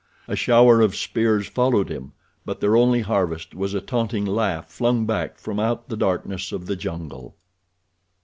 A shower of spears followed him, but their only harvest was a taunting laugh flung back from out the darkness of the jungle.